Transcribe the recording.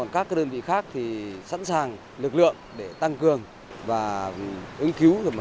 các đơn vị khác sẵn sàng lực lượng để tăng cường